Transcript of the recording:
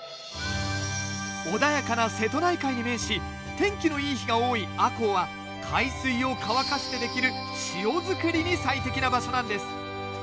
穏やかな瀬戸内海に面し天気のいい日が多い赤穂は海水を乾かしてできる塩作りに最適な場所なんです。